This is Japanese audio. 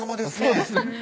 そうです